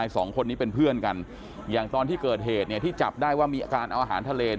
สองคนนี้เป็นเพื่อนกันอย่างตอนที่เกิดเหตุเนี่ยที่จับได้ว่ามีอาการเอาอาหารทะเล